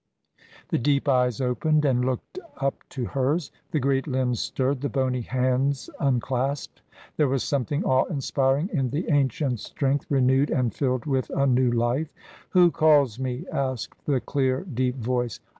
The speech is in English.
The deep eyes opened and looked up to hers. The great limbs stirred, the bony hands unclasped. There was something awe inspiring in the ancient strength renewed and filled with a new life. "Who calls me?" asked the clear, deep voice.